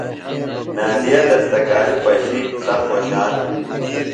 نادیہ دستکاری پشی سخت خوشان بِھلیۡ۔